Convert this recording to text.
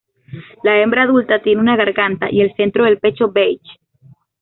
La hembra adulta tiene una garganta y el centro del pecho beige.